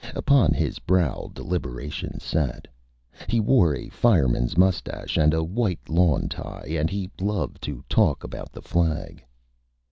Upon his Brow Deliberation sat. He wore a Fireman's moustache and a White Lawn Tie, and he loved to Talk about the Flag.